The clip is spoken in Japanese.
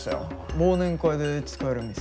忘年会で使える店。